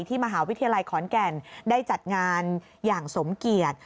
มหาวิทยาลัยขอนแก่นได้จัดงานอย่างสมเกียจ